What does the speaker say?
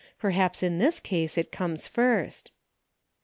Perhaps in this case it comes first."